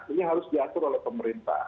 ini harus diatur oleh pemerintah